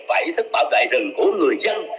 và ý thức bảo vệ rừng của người dân